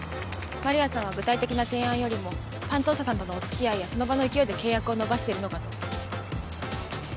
丸谷さんは具体的な提案よりも担当者さんとのお付き合いやその場の勢いで契約を伸ばしているのかと。